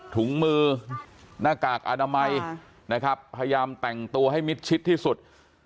ถุงมือหน้ากากอนามัยนะครับพยายามแต่งตัวให้มิดชิดที่สุด